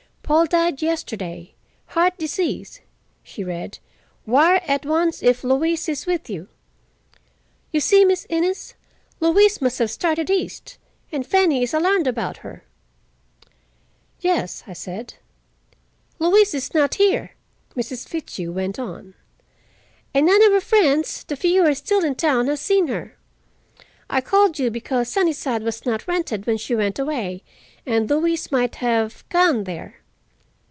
"'Paul died yesterday. Heart disease,'" she read. "'Wire at once if Louise is with you.' You see, Miss Innes, Louise must have started east, and Fanny is alarmed about her." "Yes," I said. "Louise is not here," Mrs. Fitzhugh went on, "and none of her friends—the few who are still in town—has seen her. I called you because Sunnyside was not rented when she went away, and Louise might have, gone there."